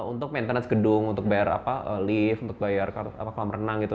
untuk maintenance gedung untuk bayar lift untuk bayar kolam renang gitu